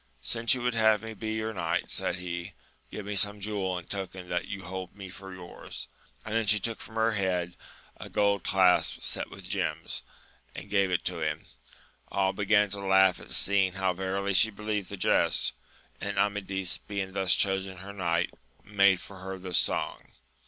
Since you would have me be your knight, said he, give me some jewel in token that you hold me for yours ; and then she took from her head a gold clasp set with gems, and gave it him. All began to laugh at seeing how verily she believed the jest, and Amadis, being thus chosen her knight, made for her this song.